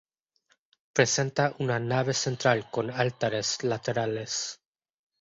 Presenta una nave central con altares laterales.